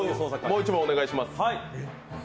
もう１問お願いします。